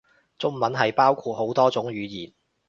中文係包括好多種語言